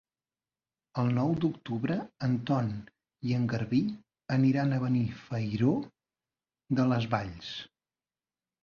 El nou d'octubre en Ton i en Garbí aniran a Benifairó de les Valls.